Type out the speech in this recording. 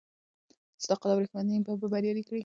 صداقت او رښتینولي به مو بریالي کړي.